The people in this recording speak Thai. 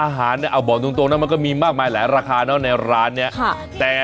เนี่ยเอาบอกตรงนะมันก็มีมากมายหลายราคาเนอะในร้านเนี่ย